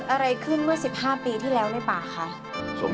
โอ้โฮ